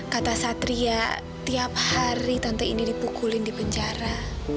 kata satria tiap hari tante ini dipukulin di penjara